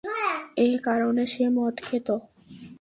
এ কারণে সে মদ খেত।